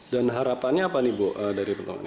dan harapannya apa nih bu dari pertama ini